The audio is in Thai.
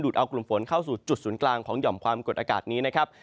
ดูดเอากลุ่มฝนเข้าสู่จุดศูนย์กลางหย่อมความกดอากาศกรรมมิเมิร์ตนี้นะครับ